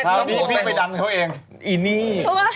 พี่ไปดันเขาเองไอ้นี่